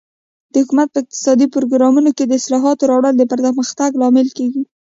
د حکومت په اقتصادي پروګرامونو کې د اصلاحاتو راوړل د پرمختګ لامل کیږي.